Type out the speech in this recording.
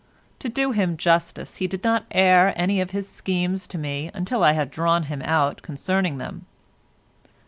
To do him justice he did not air any of his schemes to me until I had drawn him out concerning them.